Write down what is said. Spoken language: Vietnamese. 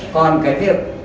còn cái việc